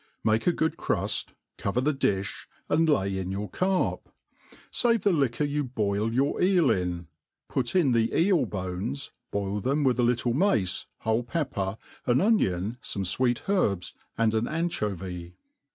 Make a good cruft, cover the diib,/ »nd lay in your carp ; fave the liquor you boilyour eel in, put in the eel bones, boil them with a little mace, whole pepper, ^n onion, fome fweet herbs^ and an anchovy.